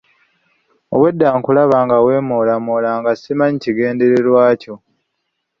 Obwedda nkulaba nga weemoolamoola nga simanyi kigendererwa kyo.